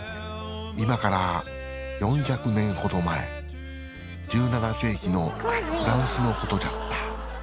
今から４００年ほど前１７世紀のフランスのことじゃった。